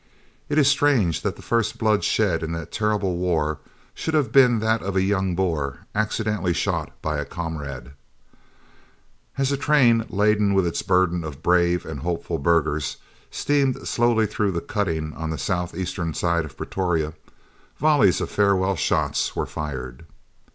It is strange that the first blood shed in that terrible war should have been that of a young Boer accidentally shot by a comrade. As a train, laden with its burden of brave and hopeful burghers, steamed slowly through the cutting on the south eastern side of Pretoria, volleys of farewell shots were fired.